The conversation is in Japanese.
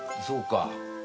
そうか。